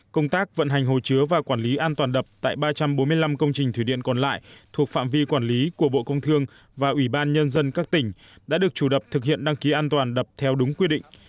công tác vận hành hồ chứa và quản lý an toàn đập tại ba trăm bốn mươi năm công trình thủy điện còn lại thuộc phạm vi quản lý của bộ công thương và ủy ban nhân dân các tỉnh đã được chủ đập thực hiện đăng ký an toàn đập theo đúng quy định